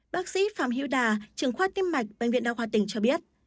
bác sĩ phạm hiếu đà trưởng khoa tim mạch bệnh viện đa khoa tỉnh cho biết